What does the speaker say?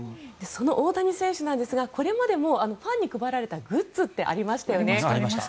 その大谷選手なんですがこれまでもファンに配られたグッズってありましたよね。